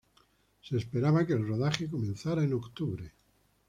Se esperaba que el rodaje comenzara en octubre.